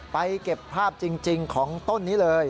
เก็บภาพจริงของต้นนี้เลย